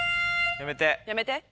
やめて。